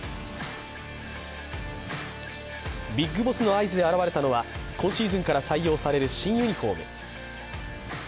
ビッグボスの合図で現れたのは今シーズンから採用される新ユニフォーム。